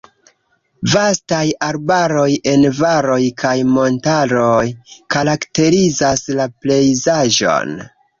Vastaj arbaroj en valoj kaj montaroj karakterizas la pejzaĝon.